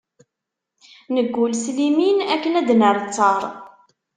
Neggul s limin, akken ad d-nerr ttaṛ.